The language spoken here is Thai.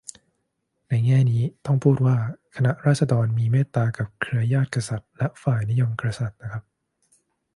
ในแง่นี้ ต้องพูดว่าคณะราษฎรมีเมตตากับเครือญาติกษัตริย์และฝ่ายนิยมกษัตริย์นะครับ